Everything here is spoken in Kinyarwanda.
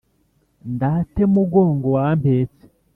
ndate mugongo wampetse